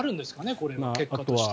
これは結果として。